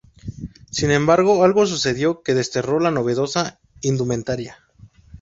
Sin embargo, algo sucedió que desterró la novedosa indumentaria.